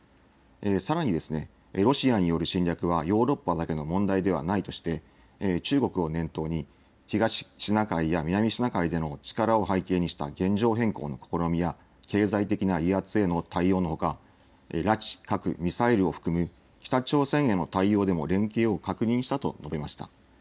さらにロシアによる侵略はヨーロッパだけの問題ではないとして、中国を念頭に、東シナ海や南シナ海での力を背景にした現状変更の試みや、経済的な威圧への対応のほか、拉致、核、ミサイルを含む、北朝鮮への対応でも連携を確認したと述べました。